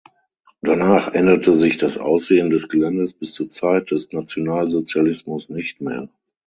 Danach änderte sich das Aussehen des Geländes bis zur Zeit des Nationalsozialismus nicht mehr.